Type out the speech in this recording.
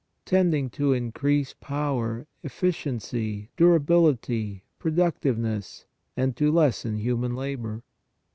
tending to increase power, efficiency, durability, pro ductiveness, and to lessen human labor.